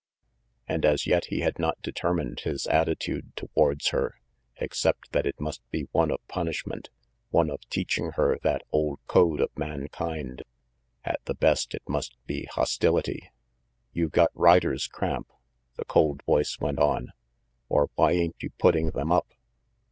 And as yet he had not determined his attitude towards her, except that it must be one of punish ment, one of teaching her that old code of mankind. At the best, it must be hostility. "You got rider's cramp," the cold voice went on, "or why ain't you putting them up?"